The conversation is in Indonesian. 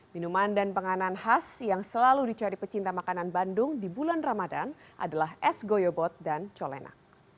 minuman dan penganan khas yang selalu dicari pecinta makanan bandung di bulan ramadan adalah es goyobot dan colena